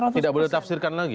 tidak boleh ditafsirkan lagi